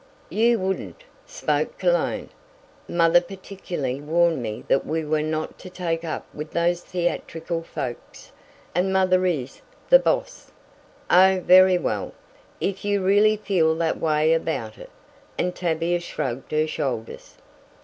"You wouldn't!" spoke Cologne. "Mother particularly warned me that we were not to take up with those theatrical folks, and mother is the boss." "Oh, very well, if you really feel that way about it," and Tavia shrugged her shoulders.